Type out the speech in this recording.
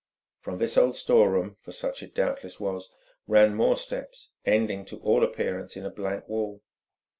From this old store room, for such it doubtless was, ran more steps, ending, to all appearance, in a blank wall.